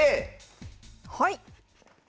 はい！